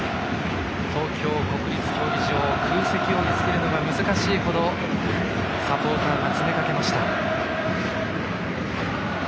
東京・国立競技場空席を見つけるのが難しいほどサポーターが詰めかけました。